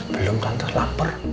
belum tante laper